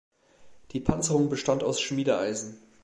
Die Panzerung bestand aus Schmiedeeisen.